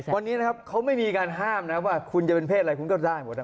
วันนี้นะครับเขาไม่มีการห้ามนะว่าคุณจะเป็นเพศอะไรคุณก็ได้หมดนะ